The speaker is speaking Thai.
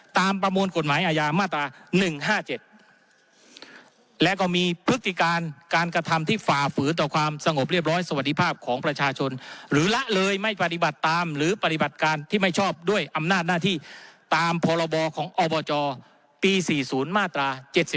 ประมวลกฎหมายอาญามาตรา๑๕๗และก็มีพฤติการการกระทำที่ฝ่าฝืนต่อความสงบเรียบร้อยสวัสดีภาพของประชาชนหรือละเลยไม่ปฏิบัติตามหรือปฏิบัติการที่ไม่ชอบด้วยอำนาจหน้าที่ตามพรบของอบจปี๔๐มาตรา๗๔